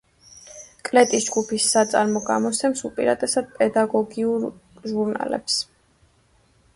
კლეტის ჯგუფის საწარმო გამოსცემს უპირატესად პედაგოგიკურ ჟურნალებს.